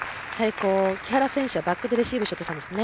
木原選手はバックでレシーブしたいんですね。